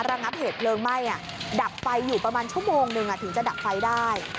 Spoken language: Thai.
ระงับเหตุเพลิงไหม้ดับไฟอยู่ประมาณชั่วโมงนึงถึงจะดับไฟได้